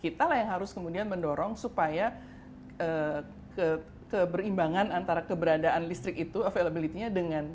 kita lah yang harus kemudian mendorong supaya keberimbangan antara keberadaan listrik itu availability nya dengan